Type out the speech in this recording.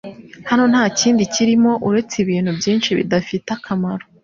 Hano ntakindi kirimo uretse ibintu byinshi bidafite akamaro